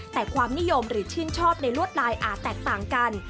แต่ความนิยมหรือชื่นชอบในลวดลายอาจแตกต่างกัน